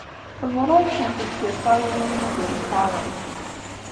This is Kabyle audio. Bṛuṛcent-d tiṭṭawin-inu d imeṭṭawen.